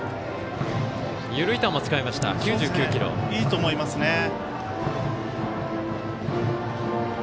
いいと思いますね。